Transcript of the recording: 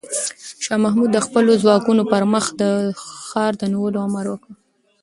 شاه محمود د خپلو ځواکونو پر مخ د ښار د نیولو امر وکړ.